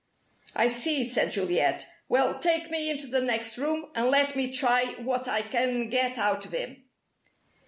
"I see," said Juliet. "Well, take me into the next room, and let me try what I can get out of him!"